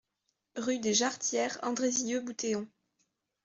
Rue des Jarretières, Andrézieux-Bouthéon